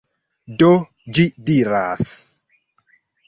Do, ĝi diras: